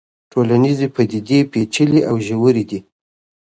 ټولنيزې پديدې پېچلې او ژورې دي.